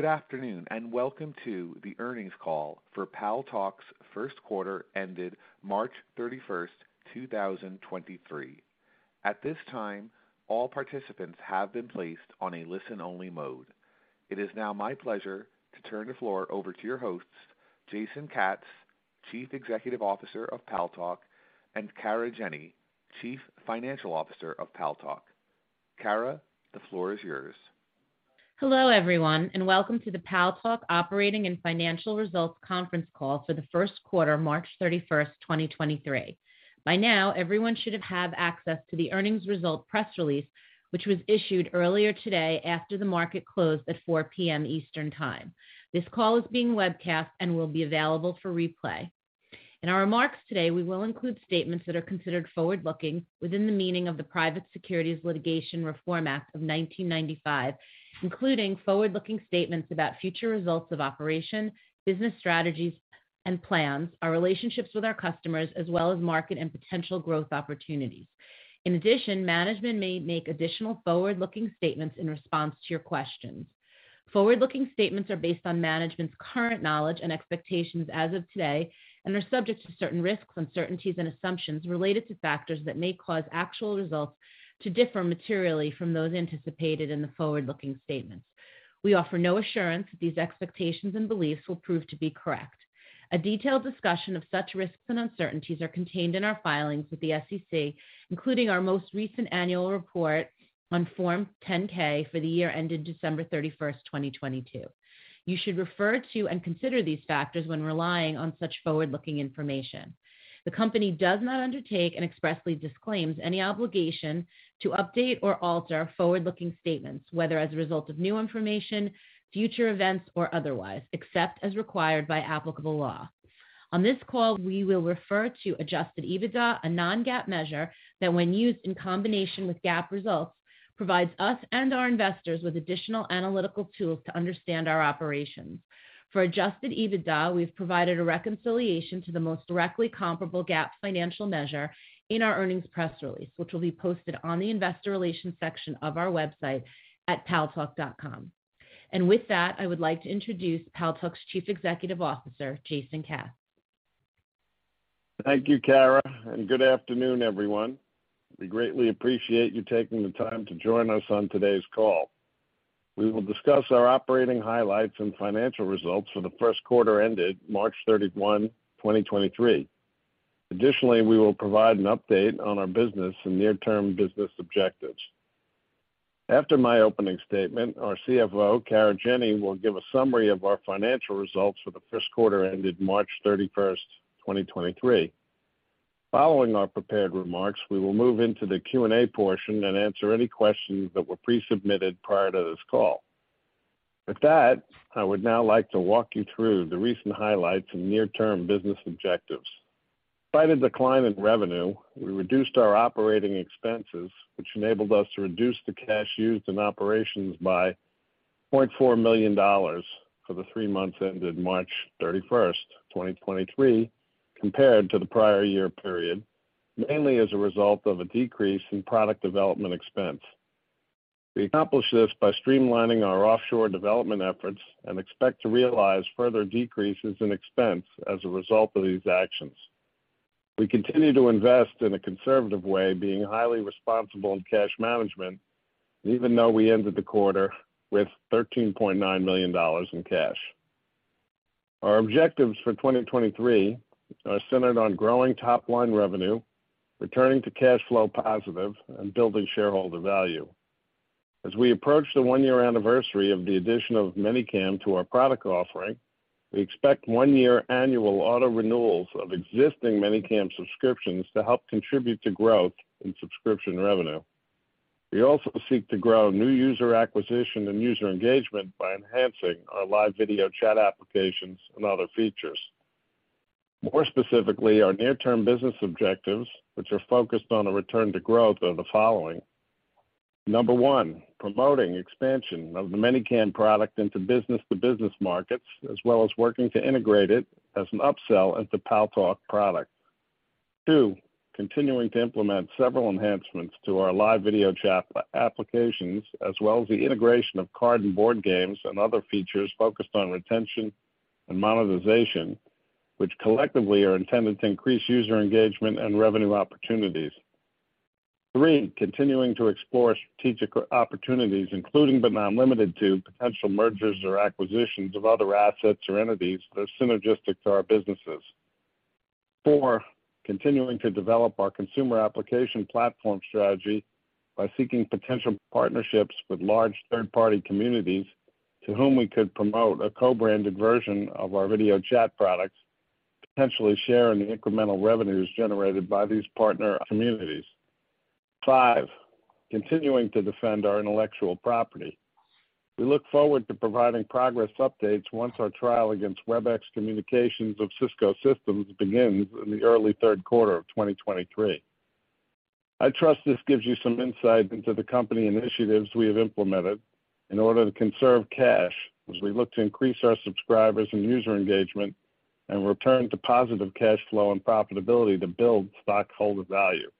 Good afternoon. Welcome to the Earnings Call for Paltalk's Q1 Ended 31 March 2023. At this time, all participants have been placed on a listen-only mode. It is now my pleasure to turn the floor over to your hosts, Jason Katz, Chief Executive Officer of Paltalk, and Kara Jenny, Chief Financial Officer of Paltalk. Kara, the floor is yours. Hello, everyone, and welcome to the Paltalk Operating and Financial Results Conference Call for the Q1, 31 March 2023. By now, everyone should have had access to the earnings result press release, which was issued earlier today after the market closed at 4:00 P.M. Eastern Time. This call is being webcast and will be available for replay. In our remarks today, we will include statements that are considered forward-looking within the meaning of the Private Securities Litigation Reform Act of 1995, including forward-looking statements about future results of operation, business strategies and plans, our relationships with our customers, as well as market and potential growth opportunities. In addition, management may make additional forward-looking statements in response to your questions. Forward-looking statements are based on management's current knowledge and expectations as of today and are subject to certain risks, uncertainties, and assumptions related to factors that may cause actual results to differ materially from those anticipated in the forward-looking statements. We offer no assurance that these expectations and beliefs will prove to be correct. A detailed discussion of such risks and uncertainties are contained in our filings with the SEC, including our most recent annual report on Form 10-K for the year ended December 31st, 2022. You should refer to and consider these factors when relying on such forward-looking information. The company does not undertake and expressly disclaims any obligation to update or alter forward-looking statements, whether as a result of new information, future events, or otherwise, except as required by applicable law. On this call, we will refer to Adjusted EBITDA, a non-GAAP measure that, when used in combination with GAAP results, provides us and our investors with additional analytical tools to understand our operations. For Adjusted EBITDA, we've provided a reconciliation to the most directly comparable GAAP financial measure in our earnings press release, which will be posted on the investor relations section of our website at paltalk.com. With that, I would like to introduce Paltalk's Chief Executive Officer, Jason Katz. Thank you, Kara. Good afternoon, everyone. We greatly appreciate you taking the time to join us on today's call. We will discuss our operating highlights and financial results for the Q1 ended 31 March 2023. Additionally, we will provide an update on our business and near-term business objectives. After my opening statement, our CFO, Kara Jenny, will give a summary of our financial results for the Q1 ended 31 March 2023. Following our prepared remarks, we will move into the Q&A portion and answer any questions that were pre-submitted prior to this call. With that, I would now like to walk you through the recent highlights and near-term business objectives. Despite a decline in revenue, we reduced our operating expenses, which enabled us to reduce the cash used in operations by $0.4 million for the three months ended 31 March 2023, compared to the prior year period, mainly as a result of a decrease in product development expense. We accomplished this by streamlining our offshore development efforts and expect to realize further decreases in expense as a result of these actions. We continue to invest in a conservative way, being highly responsible in cash management, even though we ended the quarter with $13.9 million in cash. Our objectives for 2023 are centered on growing top-line revenue, returning to cash flow positive, and building shareholder value. As we approach the one-year anniversary of the addition of ManyCam to our product offering, we expect one-year annual auto-renewals of existing ManyCam subscriptions to help contribute to growth in subscription revenue. We also seek to grow new user acquisition and user engagement by enhancing our live video chat applications and other features. More specifically, our near-term business objectives, which are focused on a return to growth, are the following. Number one, promoting expansion of the ManyCam product into business-to-business markets, as well as working to integrate it as an upsell into Paltalk product. Two, continuing to implement several enhancements to our live video chat applications, as well as the integration of card and board games and other features focused on retention and monetization, which collectively are intended to increase user engagement and revenue opportunities. Three, continuing to explore strategic opportunities, including but not limited to potential mergers or acquisitions of other assets or entities that are synergistic to our businesses. Four, continuing to develop our consumer application platform strategy by seeking potential partnerships with large third-party communities to whom we could promote a co-branded version of our video chat products, potentially sharing the incremental revenues generated by these partner communities. Five, continuing to defend our intellectual property. We look forward to providing progress updates once our trial against Webex Communications of Cisco Systems begins in the early Q3 of 2023. I trust this gives you some insight into the company initiatives we have implemented in order to conserve cash as we look to increase our subscribers and user engagement and return to positive cash flow and profitability to build stockholder value.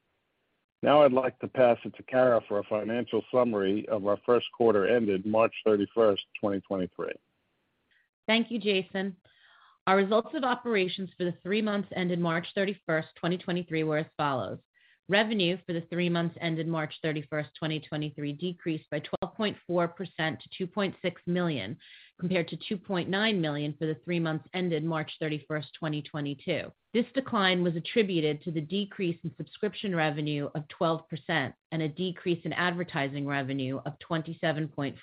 I'd like to pass it to Kara for a financial summary of our Q1 ended 31 March, 2023. Thank you, Jason. Our results of operations for the three months ended 31 March, 2023 were as follows. Revenue for the three months ended 31 March, 2023 decreased by 12.4% to $2.6 million, compared to $2.9 million for the three months ended 31 March 2022. This decline was attributed to the decrease in subscription revenue of 12% and a decrease in advertising revenue of 27.4%.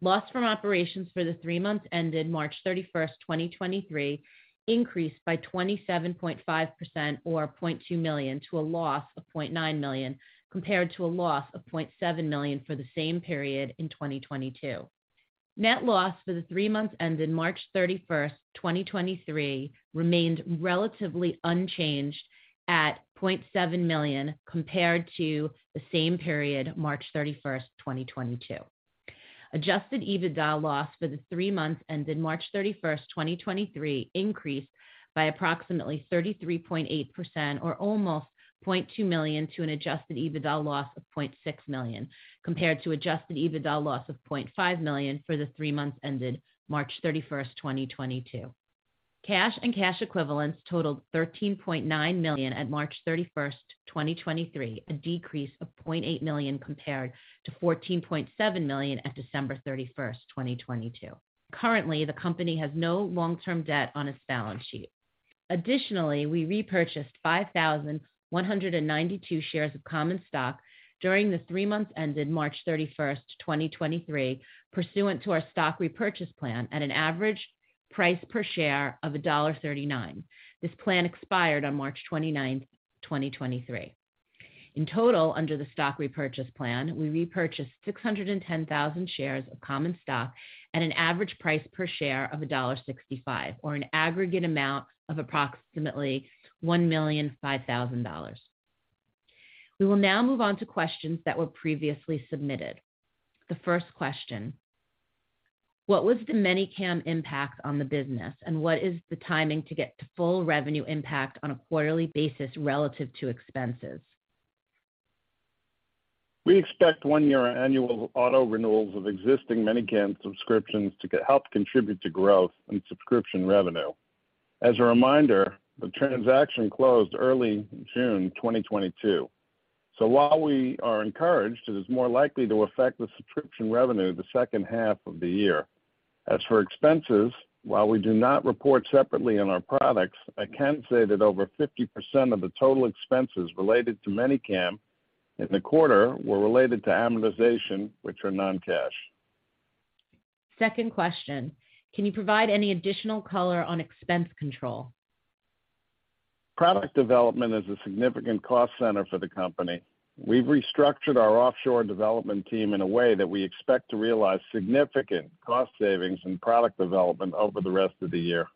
Loss from operations for the three months ended 31 March, 2023 increased by 27.5% or $0.2 million to a loss of $0.9 million, compared to a loss of $0.7 million for the same period in 2022. Net loss for the three months ended 31 March, 2023 remained relatively unchanged at $0.7 million compared to the same period, 31 March, 2022. Adjusted EBITDA loss for the three months ended 31 March, 2023 increased by approximately 33.8% or almost $0.2 million to an Adjusted EBITDA loss of $0.6 million, compared to Adjusted EBITDA loss of $0.5 million for the three months ended March 31st, 2022. Cash and cash equivalents totaled $13.9 million at March 31st, 2023, a decrease of $0.8 million compared to $14.7 million at December 31st, 2022. Currently, the company has no long-term debt on its balance sheet. Additionally, we repurchased 5,192 shares of common stock during the three months ended 31 March, 2023, pursuant to our stock repurchase plan at an average price per share of $1.39. This plan expired on 29 March, 2023. In total, under the stock repurchase plan, we repurchased 610,000 shares of common stock at an average price per share of $1.65, or an aggregate amount of approximately $1,005,000. We will now move on to questions that were previously submitted. The first question: What was the ManyCam impact on the business, and what is the timing to get to full revenue impact on a quarterly basis relative to expenses? We expect one year annual auto renewals of existing ManyCam subscriptions to help contribute to growth in subscription revenue. As a reminder, the transaction closed early June 2022. While we are encouraged, it is more likely to affect the subscription revenue the H2 of the year. As for expenses, while we do not report separately on our products, I can say that over 50% of the total expenses related to ManyCam in the quarter were related to amortization, which are non-cash. Second question: Can you provide any additional color on expense control? Product development is a significant cost center for the company. We've restructured our offshore development team in a way that we expect to realize significant cost savings in product development over the rest of the year.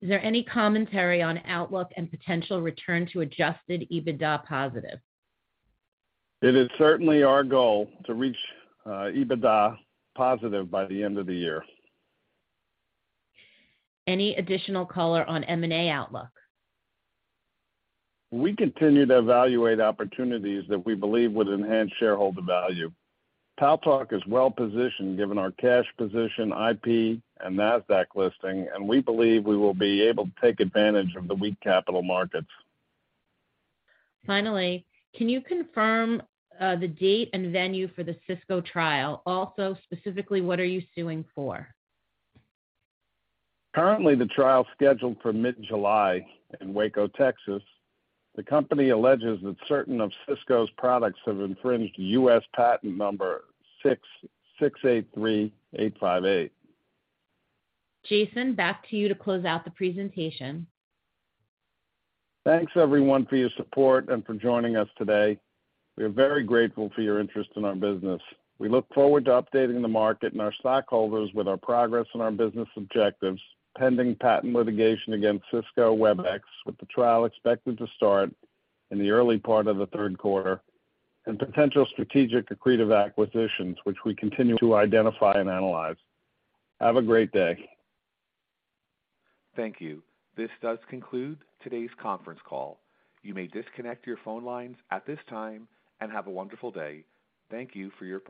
Is there any commentary on outlook and potential return to Adjusted EBITDA positive? It is certainly our goal to reach, EBITDA positive by the end of the year. Any additional color on M&A outlook? We continue to evaluate opportunities that we believe would enhance shareholder value. Paltalk is well-positioned given our cash position, IP, and Nasdaq listing. We believe we will be able to take advantage of the weak capital markets. Finally, can you confirm the date and venue for the Cisco trial? Specifically, what are you suing for? Currently, the trial is scheduled for mid-July in Waco, Texas. The company alleges that certain of Cisco's products have infringed U.S. Patent No. 6-683-858. Jason, back to you to close out the presentation. Thanks, everyone, for your support and for joining us today. We are very grateful for your interest in our business. We look forward to updating the market and our stockholders with our progress on our business objectives, pending patent litigation against Cisco Webex, with the trial expected to start in the early part of the Q3, and potential strategic accretive acquisitions, which we continue to identify and analyze. Have a great day. Thank you. This does conclude today's conference call. You may disconnect your phone lines at this time. Have a wonderful day. Thank you for your participation.